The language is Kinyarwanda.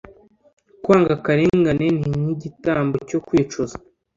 kwanga akarengane, ni nk’igitambo cyo kwicuza.